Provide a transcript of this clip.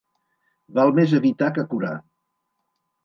Val més evitar que curar.